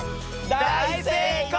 だいせいこう！